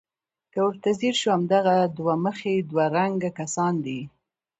که ورته ځیر شو همدغه دوه مخي دوه رنګه کسان دي.